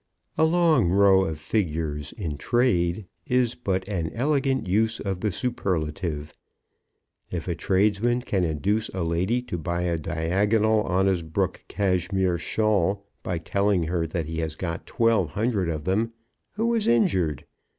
A long row of figures in trade is but an elegant use of the superlative. If a tradesman can induce a lady to buy a diagonal Osnabruck cashmere shawl by telling her that he has 1,200 of them, who is injured?